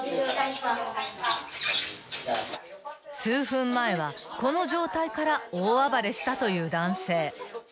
［数分前はこの状態から大暴れしたという男性］